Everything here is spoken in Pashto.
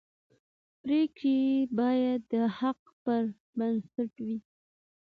پرېکړې باید د حق پر بنسټ وي